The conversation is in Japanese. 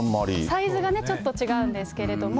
サイズがね、ちょっと違うんですけども。